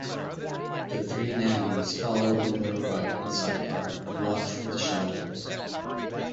The three nannies follow on a motorbike and sidecar and watch from the shadows.